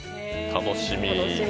楽しみ！